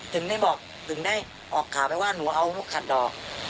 ถึงได้บอกถึงได้ออกข่าวไปว่าหนูเอาลูกขัดดอก